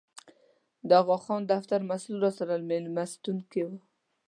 د اغاخان دفتر مسوول راسره مېلمستون کې و.